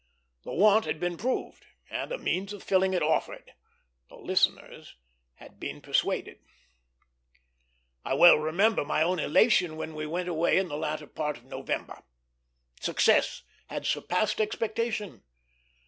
The want had been proved, and a means of filling it offered. The listeners had been persuaded. I well remember my own elation when they went away in the latter part of November. Success had surpassed expectation.